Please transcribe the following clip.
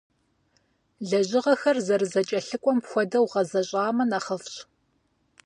Лэжьыгъэхэр зэрызэкӏэлъыкӏуэм хуэдэу гъэзэщӏамэ нэхъыфӏщ.